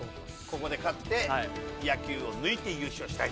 ここで勝って野球を抜いて優勝したい。